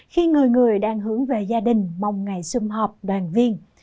khi người người đang hướng về gia đình mong ngày xung họp đoàn viên